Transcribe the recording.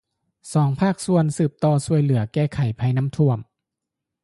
ສອງພາກສ່ວນ ສືບຕໍ່ຊ່ວຍເຫຼືອແກ້ໄຂໄພນໍ້າຖ້ວມ